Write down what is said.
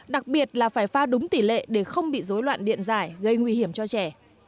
đặc biệt là phải pha đúng tỷ lệ để không bị dối loạn điện giải gây nguy hiểm cho trẻ